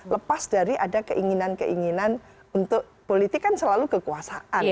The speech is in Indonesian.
lepas dari ada keinginan keinginan untuk politik kan selalu kekuasaan